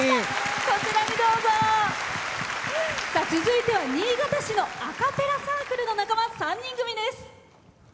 続いては新潟市のアカペラサークルの仲間３人組です。